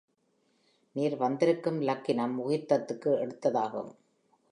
நீர் வந்திருக்கும் லக்கினம் முகூர்த்தத்துக்கு எடுத்ததாகும்.